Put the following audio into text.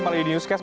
pada di newscast